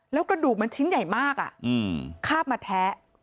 แล้วกระดูกมันชิ้นใหญ่มากคาบมาแท้